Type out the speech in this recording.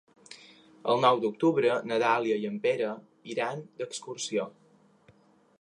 El nou d'octubre na Dàlia i en Pere iran d'excursió.